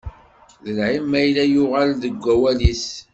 D lɛib ma yella yuɣal deg wawalis.